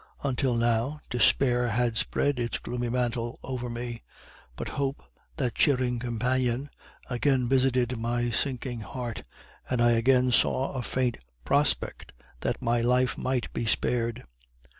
Until now, despair had spread its gloomy mantle over me; but hope, that cheering companion, again visited my sinking heart, and I again saw a faint prospect that my life might be spared.